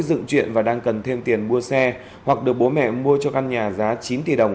dựng chuyện và đang cần thêm tiền mua xe hoặc được bố mẹ mua cho căn nhà giá chín tỷ đồng